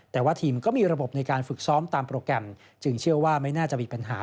แต่ว่าทีมก็มีระบบในการฝึกซ้อมตามโปรแกรมจึงเชื่อว่าไม่น่าจะมีปัญหา